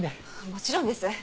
もちろんです。